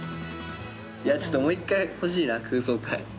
ちょっともう一回欲しいな空想回。